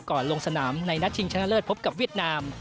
ลงสนามในนัดชิงชนะเลิศพบกับเวียดนาม